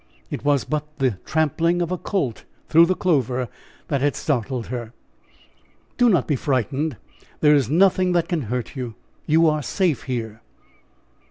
It was but the tramping of a colt through the clover that had startled her. "Do not be frightened; there is nothing that can hurt you; you are safe here."